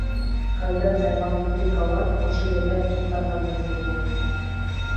Хәлдән тайған Фрикалар ошо ерҙә туҡтарға мәжбүр була.